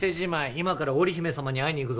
今から織姫様に会いに行くぞ。